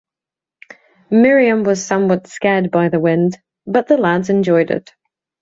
Miriam was somewhat scared by the wind, but the lads enjoyed it.